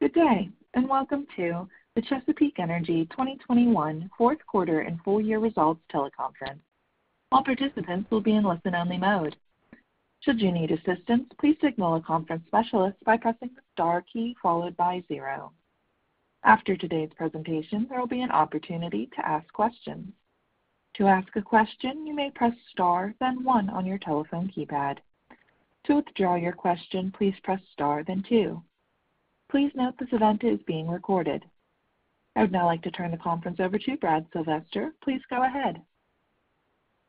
Good day, and welcome to the Chesapeake Energy 2021 Fourth Quarter and Full Year Results Teleconference. All participants will be in listen-only mode. Should you need assistance, please signal a conference specialist by pressing the star key followed by zero. After today's presentation, there will be an opportunity to ask questions. To ask a question, you may press star, then one on your telephone keypad. To withdraw your question, please press star, then two. Please note this event is being recorded. I would now like to turn the conference over to Brad Sylvester. Please go ahead.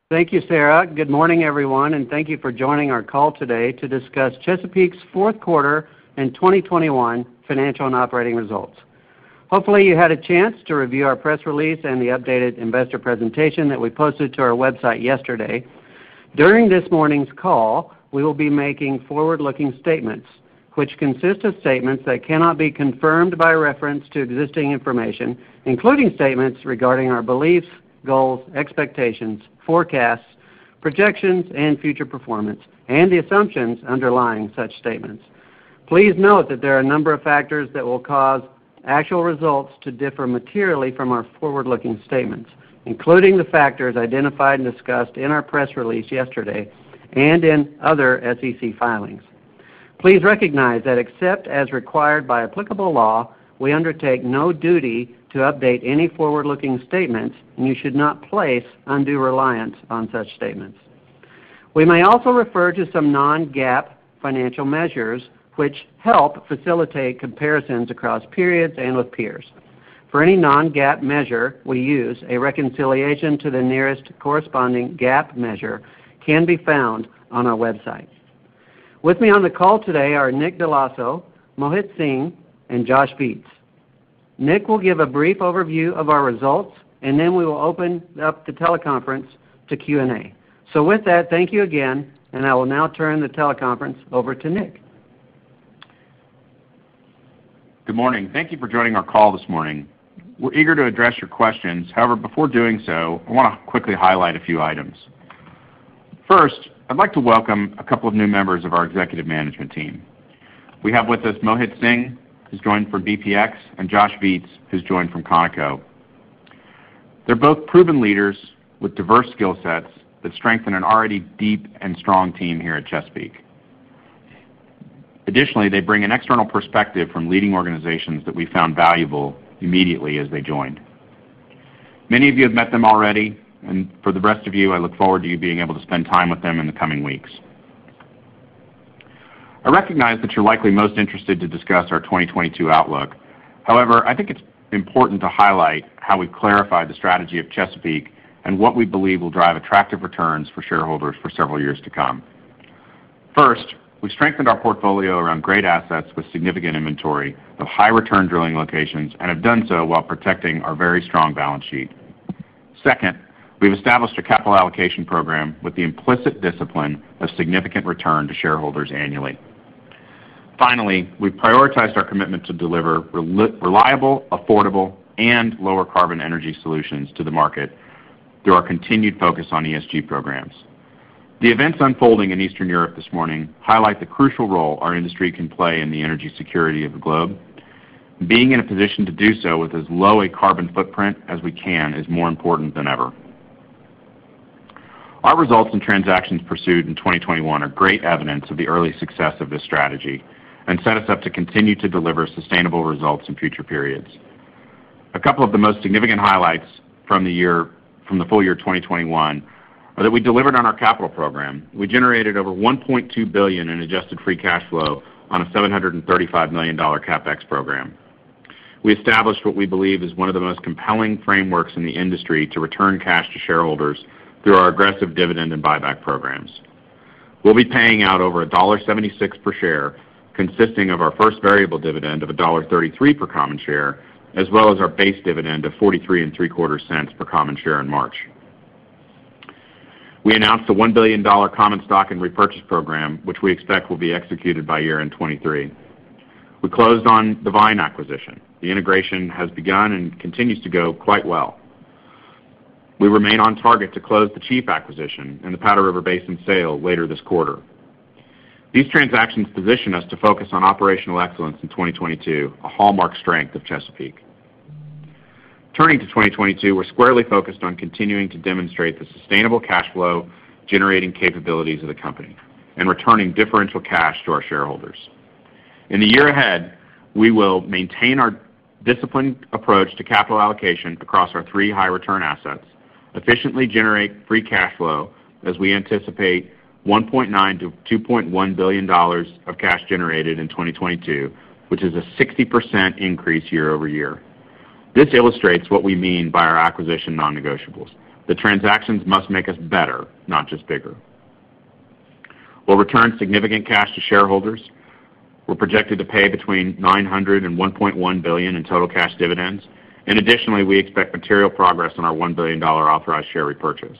Thank you, Sarah. Good morning, everyone, and thank you for joining our call today to discuss Chesapeake's Fourth Quarter and 2021 Financial and Operating Results. Hopefully, you had a chance to review our press release and the updated investor presentation that we posted to our website yesterday. During this morning's call, we will be making forward-looking statements, which consist of statements that cannot be confirmed by reference to existing information, including statements regarding our beliefs, goals, expectations, forecasts, projections, and future performance, and the assumptions underlying such statements. Please note that there are a number of factors that will cause actual results to differ materially from our forward-looking statements, including the factors identified and discussed in our press release yesterday and in other SEC filings. Please recognize that except as required by applicable law, we undertake no duty to update any forward-looking statements, and you should not place undue reliance on such statements. We may also refer to some non-GAAP financial measures which help facilitate comparisons across periods and with peers. For any non-GAAP measure we use, a reconciliation to the nearest corresponding GAAP measure can be found on our website. With me on the call today are Nick Dell'Osso, Mohit Singh, and Josh Viets. Nick will give a brief overview of our results, and then we will open up the teleconference to Q&A. With that, thank you again, and I will now turn the teleconference over to Nick. Good morning. Thank you for joining our call this morning. We're eager to address your questions. However, before doing so, I wanna quickly highlight a few items. First, I'd like to welcome a couple of new members of our executive management team. We have with us Mohit Singh, who's joined from BPX, and Josh Viets, who's joined from Conoco. They're both proven leaders with diverse skill sets that strengthen an already deep and strong team here at Chesapeake. Additionally, they bring an external perspective from leading organizations that we found valuable immediately as they joined. Many of you have met them already, and for the rest of you, I look forward to you being able to spend time with them in the coming weeks. I recognize that you're likely most interested to discuss our 2022 outlook. However, I think it's important to highlight how we've clarified the strategy of Chesapeake and what we believe will drive attractive returns for shareholders for several years to come. First, we've strengthened our portfolio around great assets with significant inventory of high-return drilling locations and have done so while protecting our very strong balance sheet. Second, we've established a capital allocation program with the implicit discipline of significant return to shareholders annually. Finally, we've prioritized our commitment to deliver reliable, affordable, and lower carbon energy solutions to the market through our continued focus on ESG programs. The events unfolding in Eastern Europe this morning highlight the crucial role our industry can play in the energy security of the globe. Being in a position to do so with as low a carbon footprint as we can is more important than ever. Our results and transactions pursued in 2021 are great evidence of the early success of this strategy and set us up to continue to deliver sustainable results in future periods. A couple of the most significant highlights from the full year 2021 are that we delivered on our capital program. We generated over $1.2 billion in adjusted free cash flow on a $735 million CapEx program. We established what we believe is one of the most compelling frameworks in the industry to return cash to shareholders through our aggressive dividend and buyback programs. We'll be paying out over $1.76 per share, consisting of our first variable dividend of $1.33 per common share, as well as our base dividend of $0.4375 per common share in March. We announced a $1 billion common stock repurchase program, which we expect will be executed by year-end 2023. We closed on the Vine acquisition. The integration has begun and continues to go quite well. We remain on target to close the Chief acquisition and the Powder River Basin sale later this quarter. These transactions position us to focus on operational excellence in 2022, a hallmark strength of Chesapeake. Turning to 2022, we're squarely focused on continuing to demonstrate the sustainable cash flow generating capabilities of the company and returning differential cash to our shareholders. In the year ahead, we will maintain our disciplined approach to capital allocation across our three high return assets, efficiently generate free cash flow as we anticipate $1.9 billion-$2.1 billion of cash generated in 2022, which is a 60% increase year-over-year. This illustrates what we mean by our acquisition non-negotiables. The transactions must make us better, not just bigger. We'll return significant cash to shareholders. We're projected to pay between $900 million and $1.1 billion in total cash dividends. Additionally, we expect material progress on our $1 billion authorized share repurchase.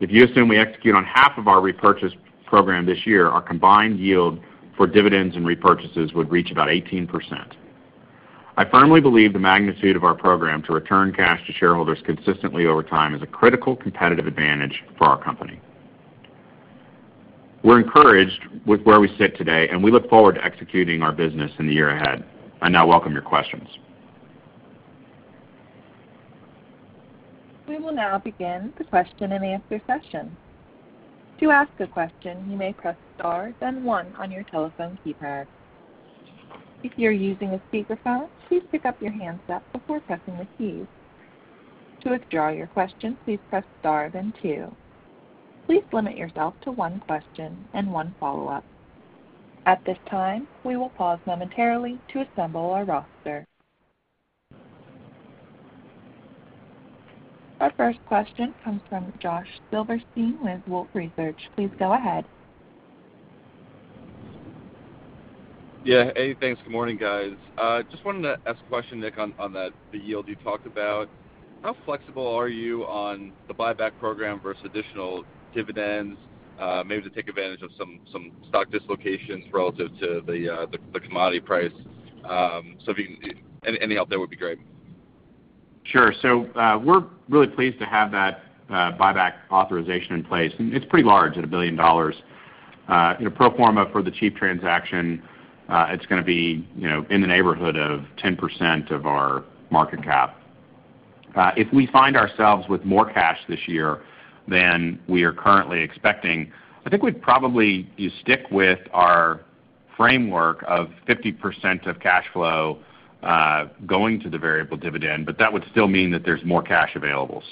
If you assume we execute on half of our repurchase program this year, our combined yield for dividends and repurchases would reach about 18%. I firmly believe the magnitude of our program to return cash to shareholders consistently over time is a critical competitive advantage for our company. We're encouraged with where we sit today, and we look forward to executing our business in the year ahead. I now welcome your questions. We will now begin the question-and-answer session. To ask a question, you may press star, then one on your telephone keypad. If you're using a speakerphone, please pick up your handset before pressing the keys. To withdraw your question, please press star, then two. Please limit yourself to one question and one follow-up. At this time, we will pause momentarily to assemble our roster. Our first question comes from Josh Silverstein with Wolfe Research. Please go ahead. Yeah. Hey, thanks. Good morning, guys. Just wanted to ask a question, Nick, on that, the yield you talked about. How flexible are you on the buyback program versus additional dividends, maybe to take advantage of some stock dislocations relative to the commodity price? Any help there would be great. Sure. We're really pleased to have that buyback authorization in place, and it's pretty large at $1 billion. You know, pro forma for the Chesapeake transaction, it's gonna be, you know, in the neighborhood of 10% of our market cap. If we find ourselves with more cash this year than we are currently expecting, I think we'd probably stick with our framework of 50% of cash flow going to the variable dividend, but that would still mean that there's more cash available.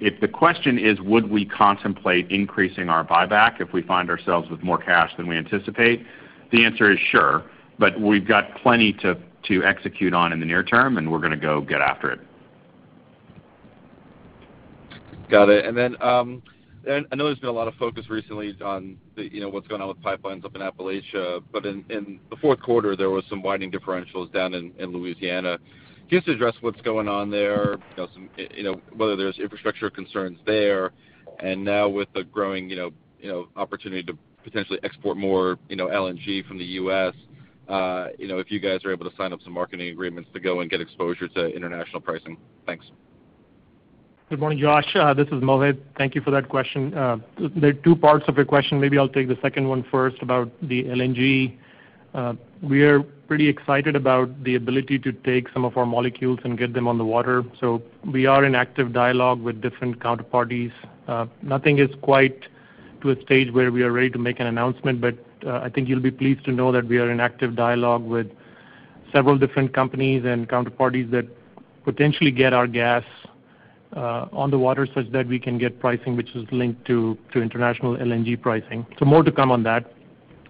If the question is, would we contemplate increasing our buyback if we find ourselves with more cash than we anticipate? The answer is sure. We've got plenty to execute on in the near term, and we're gonna go get after it. Got it. I know there's been a lot of focus recently on the, you know, what's going on with pipelines up in Appalachia. In the fourth quarter, there was some widening differentials down in Louisiana. Can you just address what's going on there, you know, whether there's infrastructure concerns there. Now with the growing, you know, opportunity to potentially export more, you know, LNG from the U.S., if you guys are able to sign up some marketing agreements to go and get exposure to international pricing. Thanks. Good morning, Josh. This is Mohit. Thank you for that question. There are two parts of your question. Maybe I'll take the second one first about the LNG. We are pretty excited about the ability to take some of our molecules and get them on the water. We are in active dialogue with different counterparties. Nothing is quite to a stage where we are ready to make an announcement, but I think you'll be pleased to know that we are in active dialogue with several different companies and counterparties that potentially get our gas on the water such that we can get pricing, which is linked to international LNG pricing. More to come on that.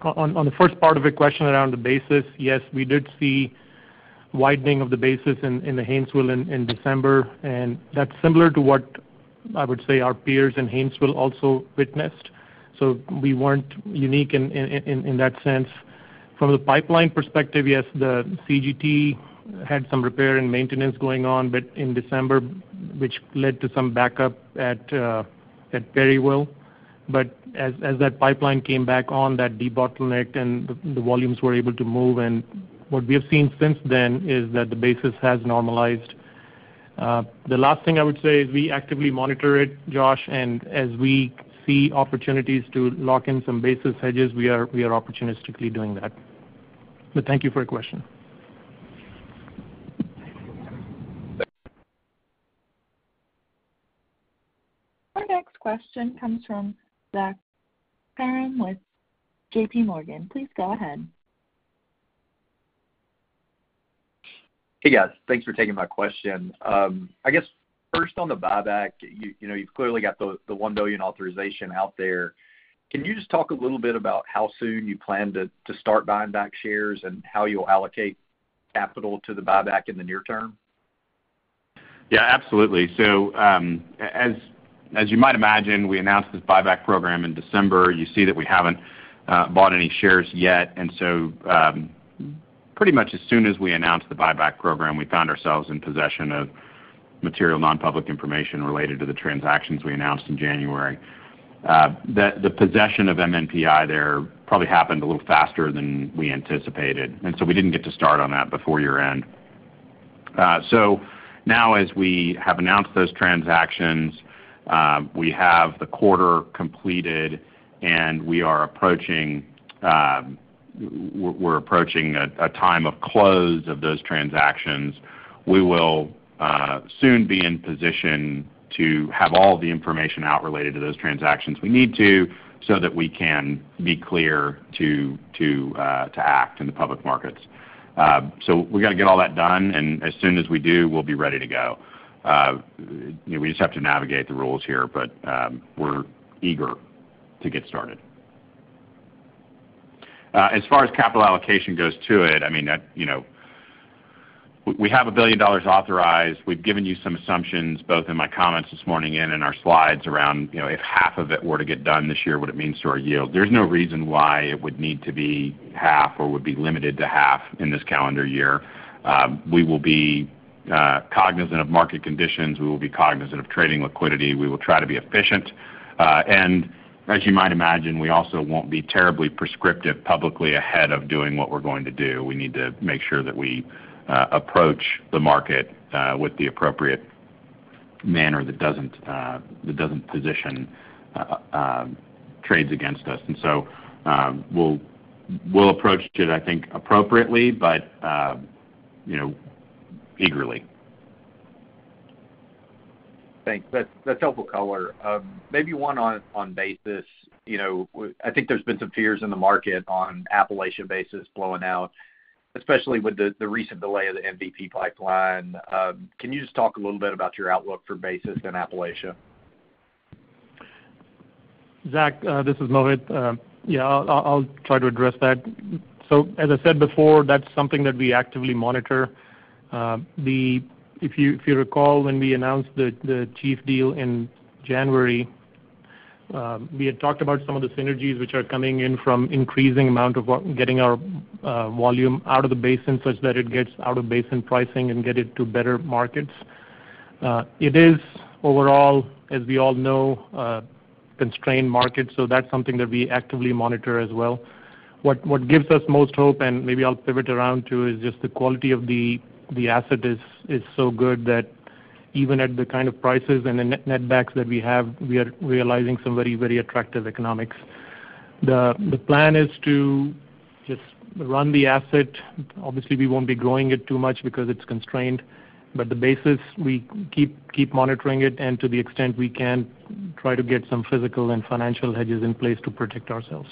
On the first part of your question around the basis, yes, we did see widening of the basis in the Haynesville in December, and that's similar to what I would say our peers in Haynesville also witnessed. We weren't unique in that sense. From the pipeline perspective, yes, the CGT had some repair and maintenance going on, but in December, which led to some backup at Perryville. As that pipeline came back on, that debottlenecked and the volumes were able to move. What we have seen since then is that the basis has normalized. The last thing I would say is we actively monitor it, Josh. As we see opportunities to lock in some basis hedges, we are opportunistically doing that. Thank you for your question. Thanks. Our next question comes from Zach Parham with JPMorgan. Please go ahead. Hey, guys. Thanks for taking my question. I guess first on the buyback, you know, you've clearly got the $1 billion authorization out there. Can you just talk a little bit about how soon you plan to start buying back shares and how you'll allocate capital to the buyback in the near term? Yeah, absolutely. As you might imagine, we announced this buyback program in December. You see that we haven't bought any shares yet. Pretty much as soon as we announced the buyback program, we found ourselves in possession of material non-public information related to the transactions we announced in January. The possession of MNPI there probably happened a little faster than we anticipated, and so we didn't get to start on that before year-end. Now as we have announced those transactions, we have the quarter completed, and we are approaching a time of close of those transactions. We will soon be in position to have all the information out related to those transactions we need to so that we can be clear to act in the public markets. We got to get all that done, and as soon as we do, we'll be ready to go. You know, we just have to navigate the rules here, but we're eager to get started. As far as capital allocation goes to it, I mean, that, you know. We have $1 billion authorized. We've given you some assumptions, both in my comments this morning and in our slides around, you know, if half of it were to get done this year, what it means to our yield. There's no reason why it would need to be half or would be limited to half in this calendar year. We will be cognizant of market conditions. We will be cognizant of trading liquidity. We will try to be efficient. As you might imagine, we also won't be terribly prescriptive publicly ahead of doing what we're going to do. We need to make sure that we approach the market with the appropriate manner that doesn't position trades against us. We'll approach it, I think, appropriately, but you know, eagerly. Thanks. That's helpful color. Maybe one on basis. You know, I think there's been some fears in the market on Appalachian basis blowing out, especially with the recent delay of the MVP pipeline. Can you just talk a little bit about your outlook for basis in Appalachia? Zach, this is Mohit. Yeah, I'll try to address that. As I said before, that's something that we actively monitor. If you recall, when we announced the Chief deal in January, we had talked about some of the synergies which are coming in from increasing amount of getting our volume out of the basin such that it gets out-of-basin pricing and get it to better markets. It is overall, as we all know, a constrained market, so that's something that we actively monitor as well. What gives us most hope, and maybe I'll pivot around too, is just the quality of the asset is so good that even at the kind of prices and the net backs that we have, we are realizing some very attractive economics. The plan is to just run the asset. Obviously, we won't be growing it too much because it's constrained. The basis we keep monitoring it, and to the extent we can, try to get some physical and financial hedges in place to protect ourselves.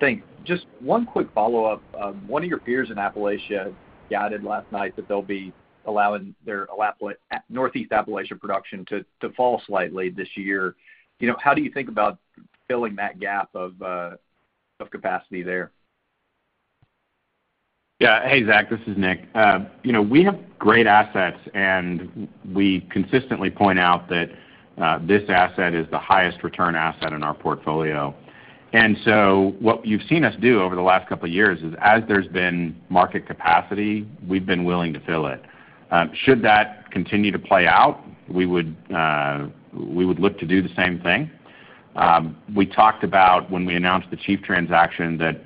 Thanks. Just one quick follow-up. One of your peers in Appalachia guided last night that they'll be allowing their Northeast Appalachia production to fall slightly this year. You know, how do you think about filling that gap of capacity there? Hey, Zach, this is Nick. You know, we have great assets, and we consistently point out that this asset is the highest return asset in our portfolio. What you've seen us do over the last couple of years is, as there's been market capacity, we've been willing to fill it. Should that continue to play out, we would look to do the same thing. We talked about when we announced the Chief transaction that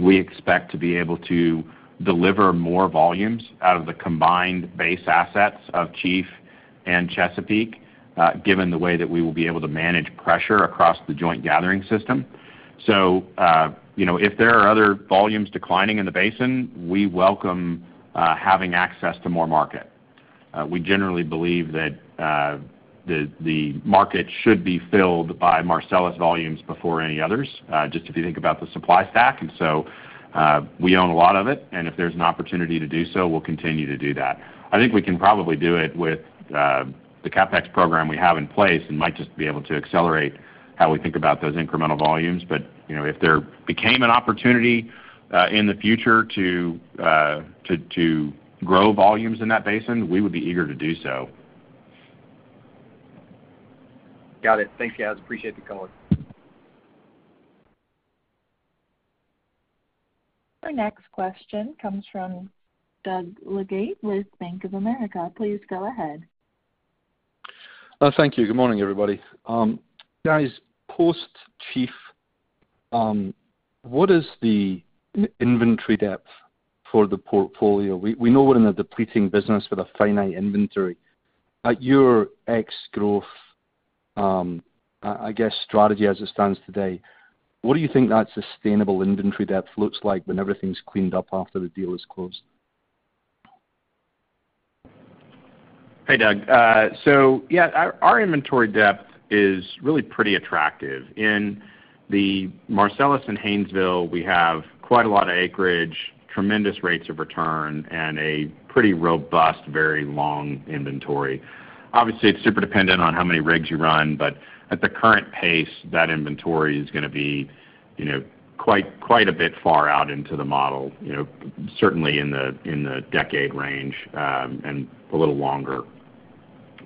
we expect to be able to deliver more volumes out of the combined base assets of Chief and Chesapeake, given the way that we will be able to manage pressure across the joint gathering system. You know, if there are other volumes declining in the basin, we welcome having access to more market. We generally believe that the market should be filled by Marcellus volumes before any others, just if you think about the supply stack. We own a lot of it, and if there's an opportunity to do so, we'll continue to do that. I think we can probably do it with the CapEx program we have in place and might just be able to accelerate how we think about those incremental volumes. You know, if there became an opportunity in the future to grow volumes in that basin, we would be eager to do so. Got it. Thank you, guys. Appreciate the color. Our next question comes from Doug Leggate with Bank of America. Please go ahead. Thank you. Good morning, everybody. Guys, post-Chief, what is the inventory depth for the portfolio? We know we're in a depleting business with a finite inventory. At your ex-growth, I guess, strategy as it stands today, what do you think that sustainable inventory depth looks like when everything's cleaned up after the deal is closed? Hey, Doug. So yeah, our inventory depth is really pretty attractive. In the Marcellus and Haynesville, we have quite a lot of acreage, tremendous rates of return, and a pretty robust, very long inventory. Obviously, it's super dependent on how many rigs you run, but at the current pace, that inventory is gonna be, you know, quite a bit far out into the model, you know, certainly in the decade range, and a little longer.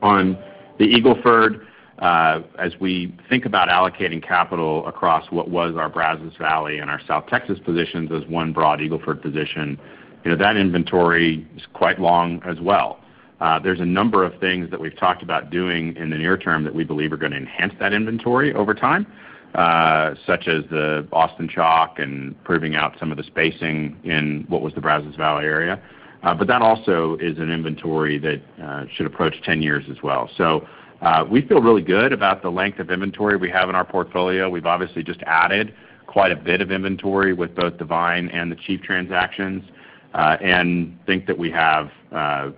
On the Eagle Ford, as we think about allocating capital across what was our Brazos Valley and our South Texas positions as one broad Eagle Ford position, you know, that inventory is quite long as well. There's a number of things that we've talked about doing in the near term that we believe are gonna enhance that inventory over time, such as the Austin Chalk and proving out some of the spacing in what was the Brazos Valley area. That also is an inventory that should approach 10 years as well. We feel really good about the length of inventory we have in our portfolio. We've obviously just added quite a bit of inventory with both Vine and the Chief transactions, and think that we have a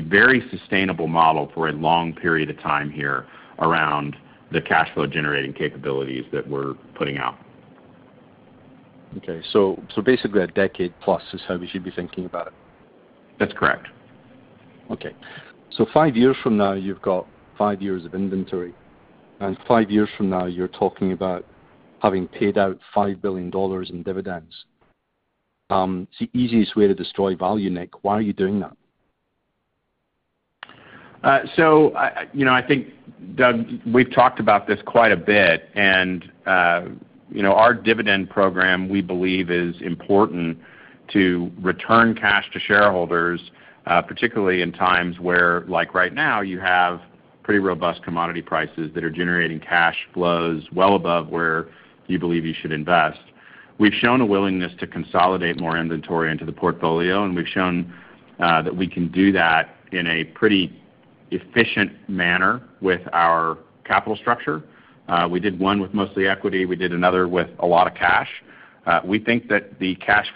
very sustainable model for a long period of time here around the cash flow-generating capabilities that we're putting out. Okay. Basically a decade-plus is how we should be thinking about it? That's correct. Okay. five years from now, you've got five years of inventory, and five years from now, you're talking about having paid out $5 billion in dividends. It's the easiest way to destroy value, Nick. Why are you doing that? I think, Doug, we've talked about this quite a bit. You know, our dividend program, we believe, is important to return cash to shareholders, particularly in times where, like right now, you have pretty robust commodity prices that are generating cash flows well above where you believe you should invest. We've shown a willingness to consolidate more inventory into the portfolio, and we've shown that we can do that in a pretty efficient manner with our capital structure. We did one with mostly equity. We did another with a lot of cash. We think that the cash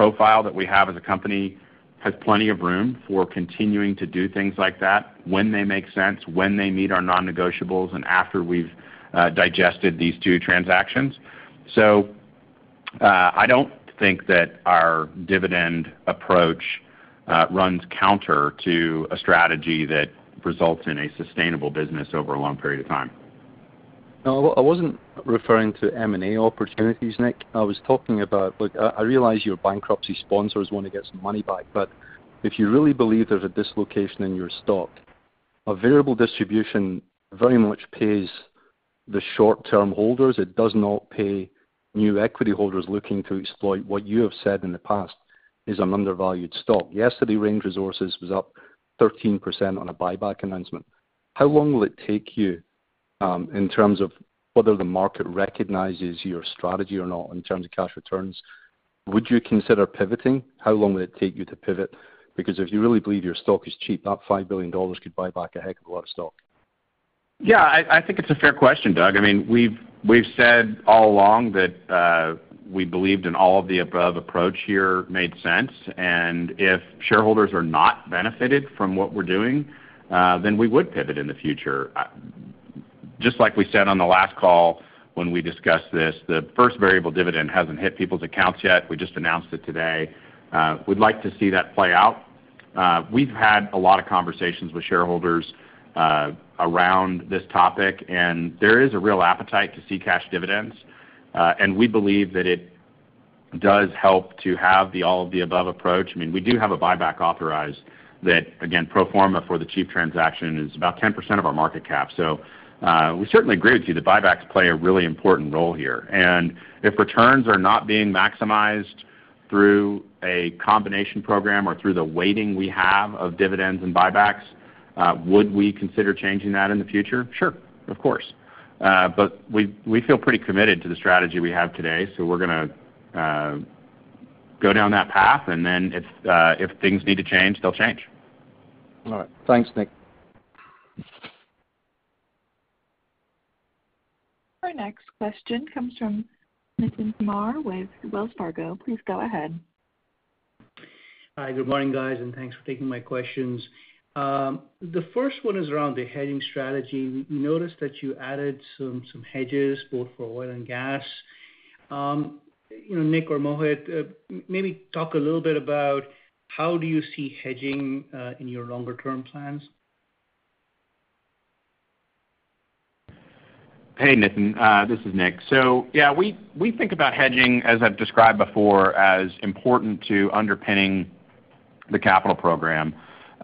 flow profile that we have as a company has plenty of room for continuing to do things like that when they make sense, when they meet our non-negotiables, and after we've digested these two transactions. I don't think that our dividend approach runs counter to a strategy that results in a sustainable business over a long period of time. No, I wasn't referring to M&A opportunities, Nick. I was talking about. Look, I realize your bankruptcy sponsors wanna get some money back, but if you really believe there's a dislocation in your stock, a variable distribution very much pays the short-term holders. It does not pay new equity holders looking to exploit what you have said in the past is an undervalued stock. Yesterday, Range Resources was up 13% on a buyback announcement. How long will it take you in terms of whether the market recognizes your strategy or not in terms of cash returns? Would you consider pivoting? How long would it take you to pivot? Because if you really believe your stock is cheap, that $5 billion could buy back a heck of a lot of stock. Yeah. I think it's a fair question, Doug. I mean, we've said all along that we believed in all of the above approach here made sense. If shareholders are not benefited from what we're doing, then we would pivot in the future. Just like we said on the last call when we discussed this, the first variable dividend hasn't hit people's accounts yet. We just announced it today. We'd like to see that play out. We've had a lot of conversations with shareholders around this topic, and there is a real appetite to see cash dividends. We believe that it does help to have the all of the above approach. I mean, we do have a buyback authorized that, again, pro forma for the Chesapeake transaction is about 10% of our market cap. We certainly agree with you. The buybacks play a really important role here. If returns are not being maximized through a combination program or through the weighting we have of dividends and buybacks, would we consider changing that in the future? Sure. Of course. We feel pretty committed to the strategy we have today, so we're gonna go down that path, and then if things need to change, they'll change. All right. Thanks, Nick. Our next question comes from Nitin Kumar with Wells Fargo. Please go ahead. Hi. Good morning, guys, and thanks for taking my questions. The first one is around the hedging strategy. We noticed that you added some hedges both for oil and gas. You know, Nick or Mohit, maybe talk a little bit about how do you see hedging in your longer-term plans? Hey, Nitin. This is Nick. Yeah, we think about hedging, as I've described before, as important to underpinning the capital program.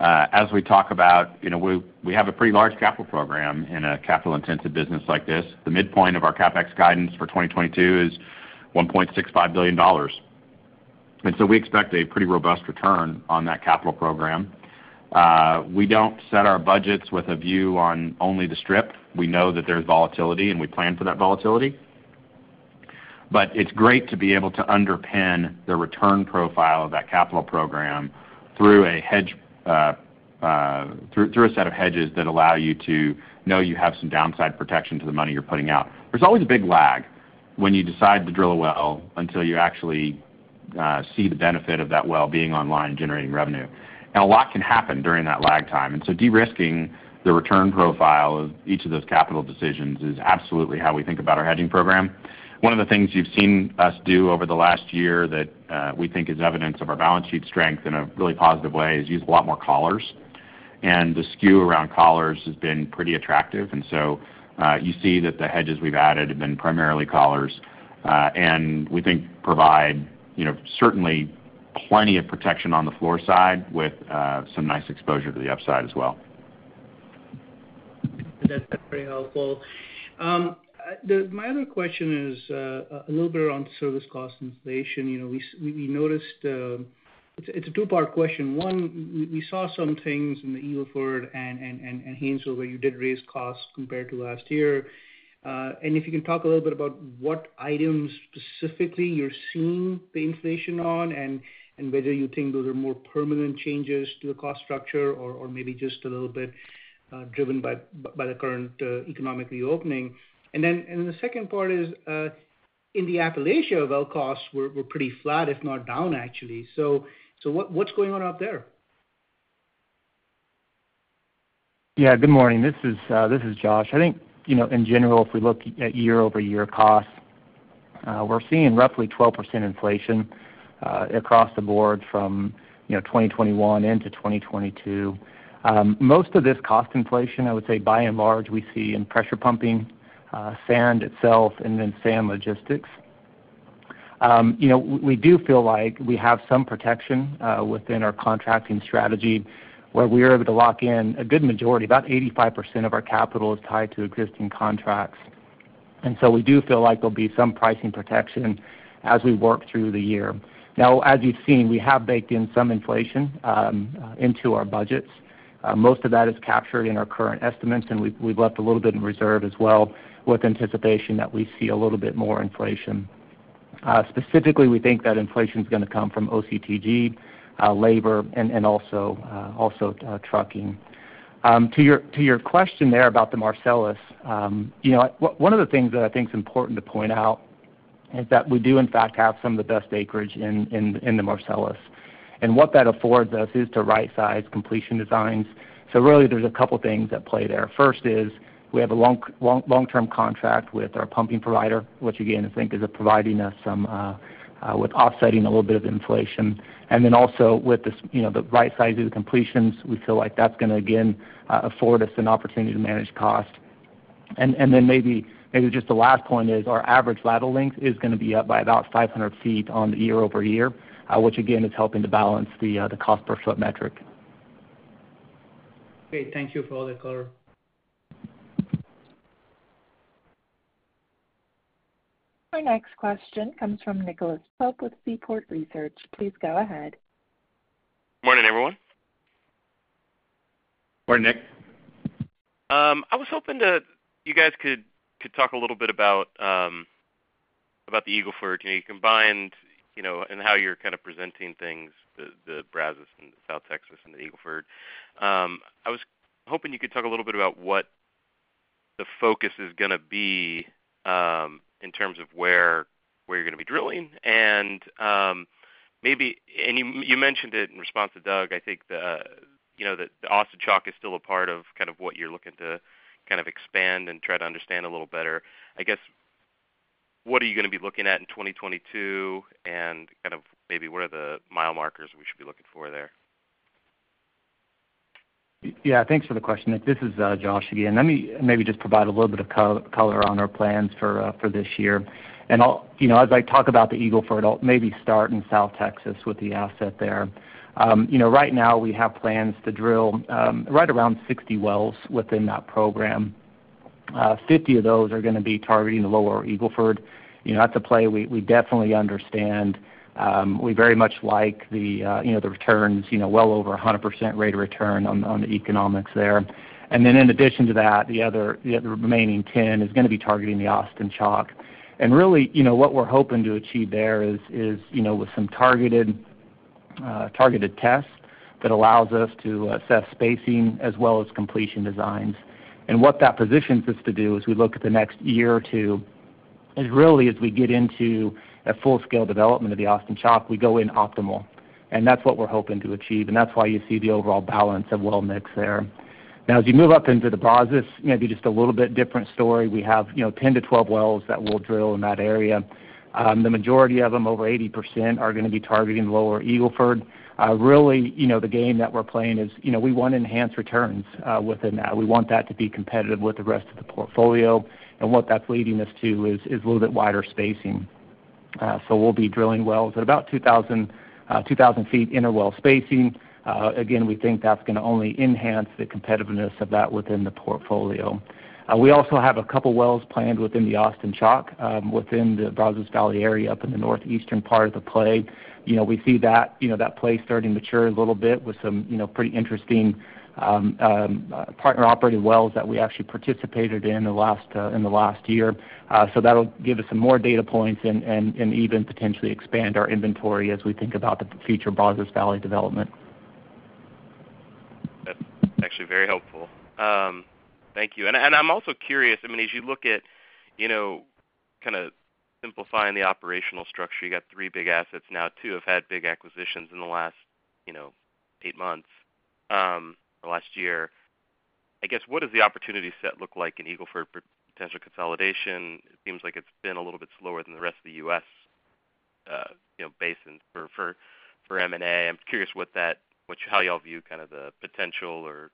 As we talk about, you know, we have a pretty large capital program in a capital-intensive business like this. The midpoint of our CapEx guidance for 2022 is $1.65 billion. We expect a pretty robust return on that capital program. We don't set our budgets with a view on only the strip. We know that there's volatility, and we plan for that volatility. It's great to be able to underpin the return profile of that capital program through a hedge, through a set of hedges that allow you to know you have some downside protection to the money you're putting out. There's always a big lag when you decide to drill a well until you actually see the benefit of that well being online generating revenue. A lot can happen during that lag time. De-risking the return profile of each of those capital decisions is absolutely how we think about our hedging program. One of the things you've seen us do over the last year that we think is evidence of our balance sheet strength in a really positive way is use a lot more collars. The skew around collars has been pretty attractive. You see that the hedges we've added have been primarily collars and we think provide, you know, certainly plenty of protection on the floor side with some nice exposure to the upside as well. That's very helpful. My other question is a little bit around service cost inflation. You know, we noticed. It's a two-part question. One, we saw some things in the Eagle Ford and Haynesville where you did raise costs compared to last year. If you can talk a little bit about what items specifically you're seeing the inflation on and whether you think those are more permanent changes to the cost structure or maybe just a little bit driven by the current economic reopening. The second part is, in the Appalachia well costs were pretty flat if not down actually. What's going on out there? Yeah. Good morning. This is Josh. I think, you know, in general, if we look at year-over-year costs, we're seeing roughly 12% inflation across the board from, you know, 2021 into 2022. Most of this cost inflation, I would say by and large, we see in pressure pumping, sand itself and then sand logistics. You know, we do feel like we have some protection within our contracting strategy, where we are able to lock in a good majority. About 85% of our capital is tied to existing contracts. We do feel like there'll be some pricing protection as we work through the year. Now, as you've seen, we have baked in some inflation into our budgets. Most of that is captured in our current estimates, and we've left a little bit in reserve as well with anticipation that we see a little bit more inflation. Specifically, we think that inflation is gonna come from OCTG, labor and trucking. To your question there about the Marcellus, you know, one of the things that I think is important to point out is that we do in fact have some of the best acreage in the Marcellus. What that affords us is to rightsize completion designs. Really there's a couple things at play there. First is we have a long-term contract with our pumping provider, which again, I think is providing us with some offsetting a little bit of inflation. Then also with this, you know, the rightsizing completions, we feel like that's gonna again afford us an opportunity to manage cost. Then maybe just the last point is our average lateral length is gonna be up by about 500 feet year-over-year, which again is helping to balance the cost per foot metric. Great. Thank you for all the color. Our next question comes from Nicholas Pope with Seaport Research. Please go ahead. Morning, everyone. Morning, Nick. I was hoping you guys could talk a little bit about the Eagle Ford. You know, you combined, you know, and how you're kind of presenting things, the Brazos and South Texas and the Eagle Ford. I was hoping you could talk a little bit about what the focus is gonna be in terms of where you're gonna be drilling. Maybe you mentioned it in response to Doug. I think the Austin Chalk is still a part of what you're looking to kind of expand and try to understand a little better. I guess, what are you gonna be looking at in 2022, and kind of maybe what are the mile markers we should be looking for there? Thanks for the question, Nick. This is Josh again. Let me maybe just provide a little bit of color on our plans for this year. I'll you know, as I talk about the Eagle Ford, I'll maybe start in South Texas with the asset there. You know, right now we have plans to drill right around 60 wells within that program. 50 of those are gonna be targeting the lower Eagle Ford. You know, that's a play we definitely understand. We very much like you know, the returns you know, well over 100% rate of return on the economics there. Then in addition to that, the other remaining 10 is gonna be targeting the Austin Chalk. Really, you know, what we're hoping to achieve there is, you know, with some targeted tests that allows us to assess spacing as well as completion designs. What that positions us to do as we look at the next year or two is really as we get into a full-scale development of the Austin Chalk, we go in optimal. That's what we're hoping to achieve, and that's why you see the overall balance of well mix there. Now as you move up into the Brazos, maybe just a little bit different story. We have, you know, 10-12 wells that we'll drill in that area. The majority of them, over 80%, are gonna be targeting lower Eagle Ford. Really, you know, the game that we're playing is, you know, we wanna enhance returns within that. We want that to be competitive with the rest of the portfolio. What that's leading us to is a little bit wider spacing. So we'll be drilling wells at about 2,000 feet inner well spacing. Again, we think that's gonna only enhance the competitiveness of that within the portfolio. We also have a couple of wells planned within the Austin Chalk within the Brazos Valley area up in the northeastern part of the play. You know, we see that, you know, that play starting to mature a little bit with some, you know, pretty interesting partner-operated wells that we actually participated in the last year. So that'll give us some more data points and even potentially expand our inventory as we think about the future Brazos Valley development. That's actually very helpful. Thank you. I'm also curious, I mean, as you look at, you know, kinda simplifying the operational structure, you got three big assets now. Two have had big acquisitions in the last, you know, eight months, or last year. I guess, what does the opportunity set look like in Eagle Ford for potential consolidation? It seems like it's been a little bit slower than the rest of the U.S., you know, basin for M&A. I'm curious how y'all view kind of the potential or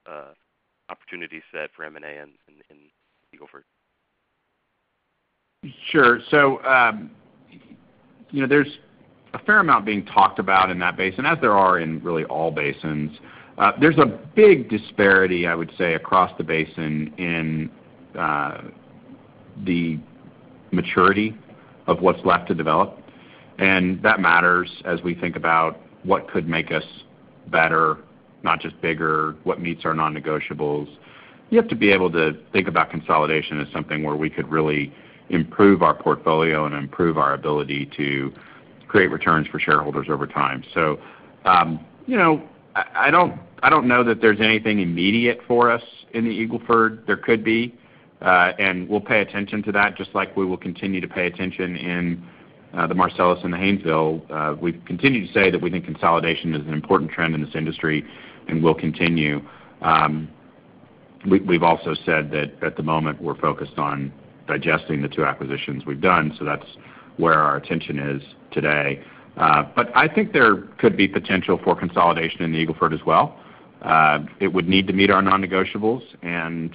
opportunity set for M&A in Eagle Ford. Sure. You know, there's a fair amount being talked about in that basin, as there are in really all basins. There's a big disparity, I would say, across the basin in the maturity of what's left to develop, and that matters as we think about what could make us better, not just bigger, what meets our non-negotiables. You have to be able to think about consolidation as something where we could really improve our portfolio and improve our ability to create returns for shareholders over time. You know, I don't know that there's anything immediate for us in the Eagle Ford. There could be, and we'll pay attention to that, just like we will continue to pay attention in the Marcellus and the Haynesville. We've continued to say that we think consolidation is an important trend in this industry and will continue. We've also said that at the moment, we're focused on digesting the two acquisitions we've done, so that's where our attention is today. I think there could be potential for consolidation in the Eagle Ford as well. It would need to meet our non-negotiables and,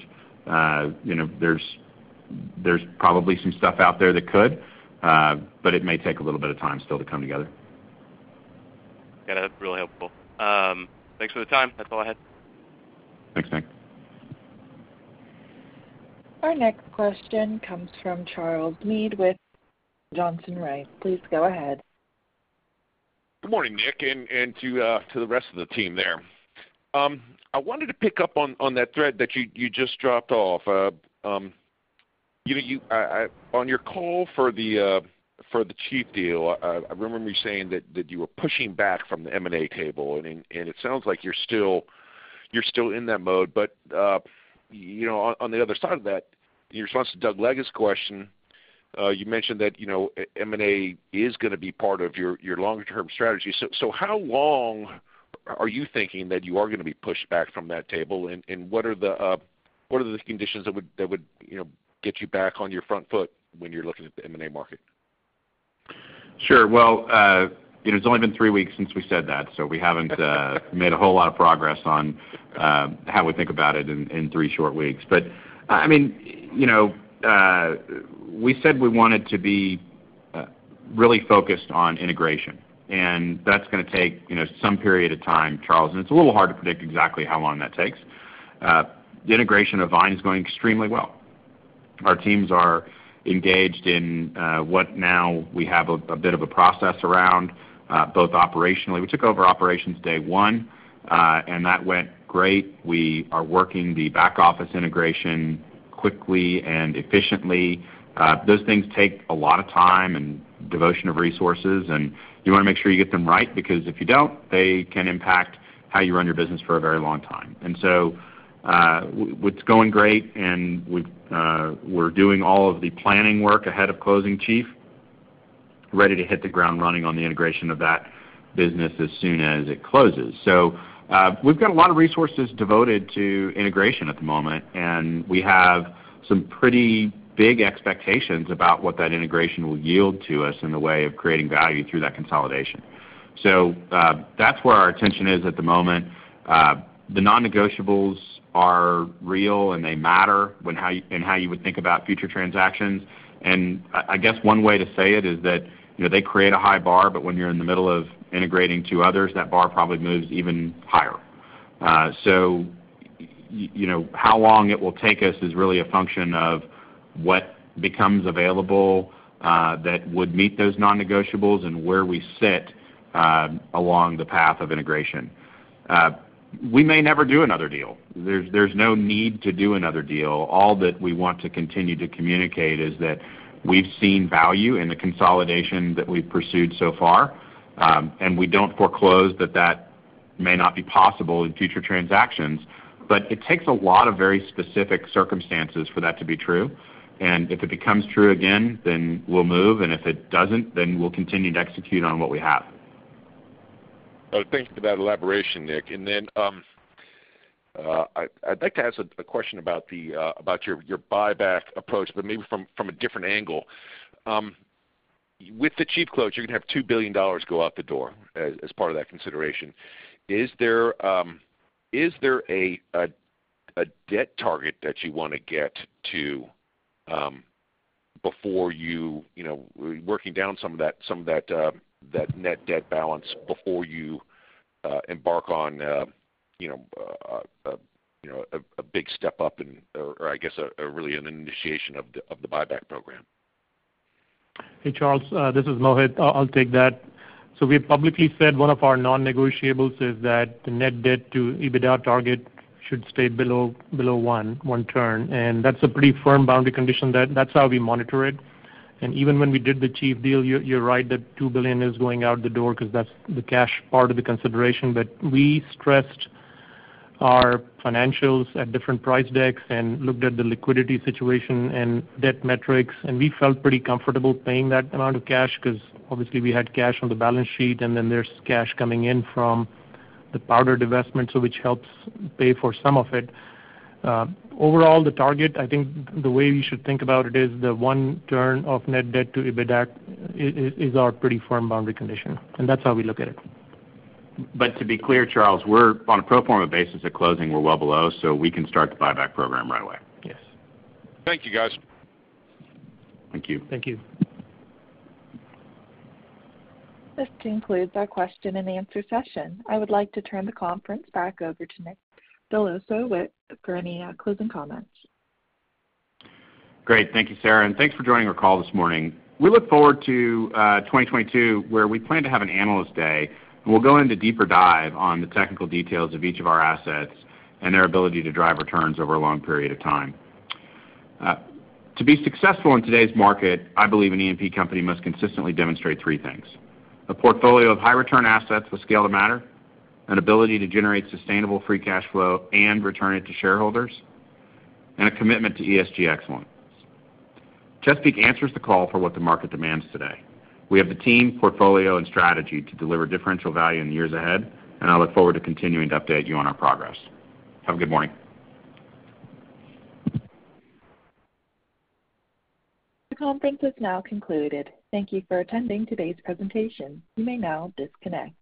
you know, there's probably some stuff out there that could, but it may take a little bit of time still to come together. Yeah, that's really helpful. Thanks for the time. That's all I had. Thanks, Nick. Our next question comes from Charles Meade with Johnson Rice. Please go ahead. Good morning, Nick, and to the rest of the team there. I wanted to pick up on that thread that you just dropped off. You know, on your call for the Chief deal, I remember you saying that you were pushing back from the M&A table. It sounds like you're still in that mode. You know, on the other side of that, in response to Doug Leggate's question, you mentioned that, you know, M&A is gonna be part of your longer-term strategy. How long are you thinking that you are gonna be pushed back from that table? What are the conditions that would, you know, get you back on your front foot when you're looking at the M&A market? Sure. Well, it has only been three weeks since we said that, so we haven't made a whole lot of progress on how we think about it in three short weeks. I mean, you know, we said we wanted to be really focused on integration. That's gonna take, you know, some period of time, Charles. It's a little hard to predict exactly how long that takes. The integration of Vine is going extremely well. Our teams are engaged in what now we have a bit of a process around both operationally. We took over operations day one, and that went great. We are working the back office integration quickly and efficiently. Those things take a lot of time and devotion of resources, and you wanna make sure you get them right, because if you don't, they can impact how you run your business for a very long time. What's going great, and we're doing all of the planning work ahead of closing Chief, ready to hit the ground running on the integration of that business as soon as it closes. We've got a lot of resources devoted to integration at the moment, and we have some pretty big expectations about what that integration will yield to us in the way of creating value through that consolidation. That's where our attention is at the moment. The non-negotiables are real, and they matter in how you would think about future transactions. I guess one way to say it is that, you know, they create a high bar, but when you're in the middle of integrating two others, that bar probably moves even higher. You know, how long it will take us is really a function of what becomes available that would meet those non-negotiables and where we sit along the path of integration. We may never do another deal. There's no need to do another deal. All that we want to continue to communicate is that we've seen value in the consolidation that we've pursued so far, and we don't foreclose that may not be possible in future transactions. It takes a lot of very specific circumstances for that to be true. If it becomes true again, then we'll move, and if it doesn't, then we'll continue to execute on what we have. Oh, thank you for that elaboration, Nick. I'd like to ask a question about your buyback approach, but maybe from a different angle. With the Chief close, you're gonna have $2 billion go out the door as part of that consideration. Is there a debt target that you wanna get to before you know, working down some of that net debt balance before you embark on you know, a big step up or I guess a real initiation of the buyback program? Hey, Charles, this is Mohit. I'll take that. We've publicly said one of our non-negotiables is that the net debt to EBITDA target should stay below one turn. That's a pretty firm boundary condition. That's how we monitor it. Even when we did the Chief deal, you're right that $2 billion is going out the door because that's the cash part of the consideration. We stressed our financials at different price decks and looked at the liquidity situation and debt metrics, and we felt pretty comfortable paying that amount of cash because obviously we had cash on the balance sheet, and then there's cash coming in from the Powder divestment, which helps pay for some of it. Overall, the target, I think the way you should think about it is the one turn of net debt to EBITDA is our pretty firm boundary condition, and that's how we look at it. To be clear, Charles, we're on a pro forma basis at closing, we're well below, so we can start the buyback program right away. Yes. Thank you, guys. Thank you. Thank you. This concludes our question and answer session. I would like to turn the conference back over to Nick Dell'Osso for any closing comments. Great. Thank you, Sarah, and thanks for joining our call this morning. We look forward to 2022, where we plan to have an analyst day, and we'll go into deeper dive on the technical details of each of our assets and their ability to drive returns over a long period of time. To be successful in today's market, I believe an E&P company must consistently demonstrate three things, a portfolio of high-return assets with scale to matter, an ability to generate sustainable free cash flow and return it to shareholders, and a commitment to ESG excellence. Chesapeake answers the call for what the market demands today. We have the team, portfolio, and strategy to deliver differential value in the years ahead, and I look forward to continuing to update you on our progress. Have a good morning. The conference has now concluded. Thank you for attending today's presentation. You may now disconnect.